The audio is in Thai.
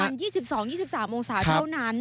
วัน๒๒๒๓องศาเท่านั้น